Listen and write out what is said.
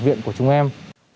học viên của chúng em